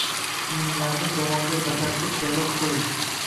kiyimlarni javonga batartib joylab qo‘yish